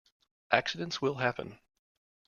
Accidents will happen.